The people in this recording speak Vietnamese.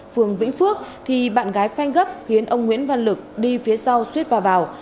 phường vĩnh phước thì bạn gái phanh gấp khiến ông nguyễn văn lực đi phía sau suýt vào vào